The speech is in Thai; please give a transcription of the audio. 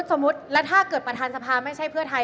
สมมุติแล้วถ้าเกิดประธานสภาไม่ใช่เพื่อไทย